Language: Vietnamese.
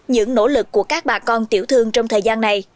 những nỗ lực của các bà con tiểu thương trong thời gian này